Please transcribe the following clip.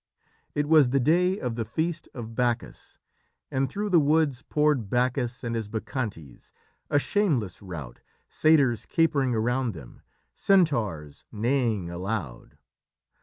It was the day of the feast of Bacchus, and through the woods poured Bacchus and his Bacchantes, a shameless rout, satyrs capering around them, centaurs neighing aloud.